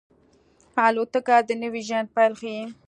الوتکه د نوي ژوند پیل ښيي.